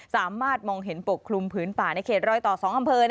สามารถมองเห็นปกคลุมผืนป่าในเขตรอยต่อ๒อำเภอ